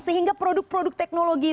sehingga produk produk teknologi